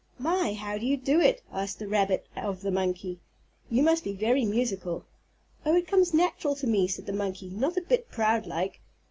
"My, how do you do it?" asked the rabbit of the monkey. "You must be very musical." "Oh, it comes natural to me," said the monkey, not a bit proud like.